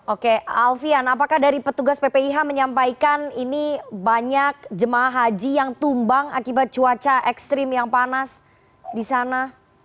oke alfian apakah dari petugas ppih menyampaikan ini banyak jemaah haji yang tumbang akibat cuaca ekstrim yang panas di sana